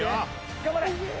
頑張れ！